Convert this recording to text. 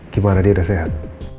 gimana dia udah sehat